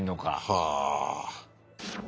はあ。